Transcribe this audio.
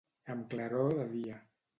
Amb claror de dia.